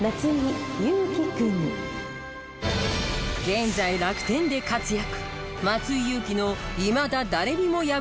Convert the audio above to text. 現在楽天で活躍。